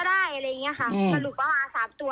อะไรอย่างเงี้ยค่ะสรุปว่ามาสามตัว